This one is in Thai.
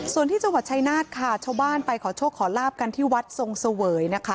ส่วนที่จังหวัดชายนาฏค่ะชาวบ้านไปขอโชคขอลาบกันที่วัดทรงเสวยนะคะ